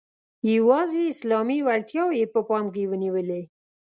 یوازي اسلامي وړتیاوې یې په پام کې ونیولې.